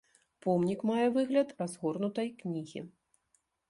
Помнік мае выгляд разгорнутай кнігі.